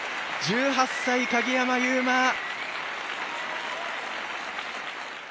１８歳、鍵山優真。